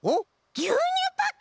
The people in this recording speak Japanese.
ぎゅうにゅうパック！